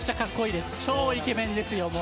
イケメンですよ。